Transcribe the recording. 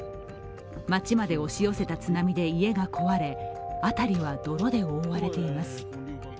町まで押し寄せた津波で家が壊れ辺りは泥で覆われています。